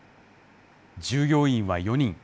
従業員は４人。